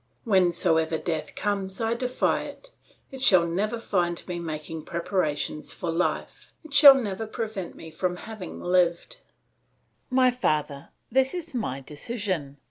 Whensoever death comes I defy it; it shall never find me making preparations for life; it shall never prevent me having lived. "My father, this is my decision.